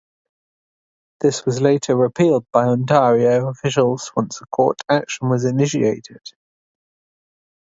This was later repealed by Ontario officials once a court action was initiated.